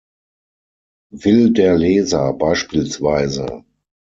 Will der Leser bspw.